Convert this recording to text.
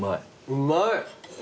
うまい。